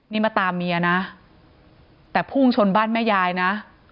นี่มาตามเมียนะแต่พุ่งชนบ้านแม่ยายนะ